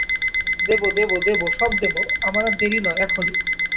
দেব, দেব, দেব সব দেব আমার-আর দেরি নয়, এখনি।